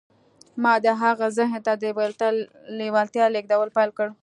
ما د هغه ذهن ته د لېوالتیا لېږدول پیل کړل